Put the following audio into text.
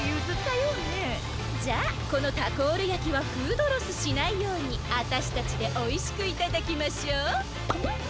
じゃあこのタコールやきはフードロスしないようにあたしたちでおいしくいただきましょう。